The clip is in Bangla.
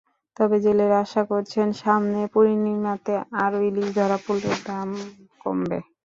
তবে জেলেরা আশা করছেন সামনে পূর্ণিমাতে আরও ইলিশ ধরা পড়লে দামও কমবে।